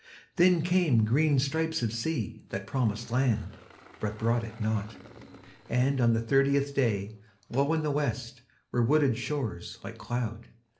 Then came green stripes of sea that promised landBut brought it not, and on the thirtieth dayLow in the West were wooded shores like cloud.